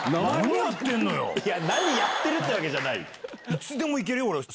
何やってるってわけじゃないよ！